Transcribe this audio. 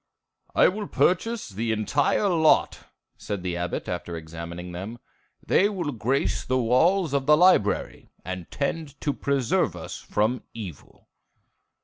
"I will purchase the entire lot," said the Abbot, after examining them. "They will grace the walls of the library, and tend to preserve us from evil."